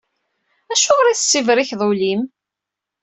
Acuɣer i tessibrikeḍ ul-im?